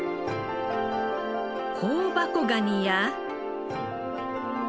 香箱ガニや。